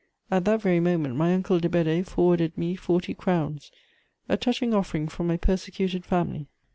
At that very moment my uncle de Bedée forwarded me forty crowns, a touching offering from my persecuted family.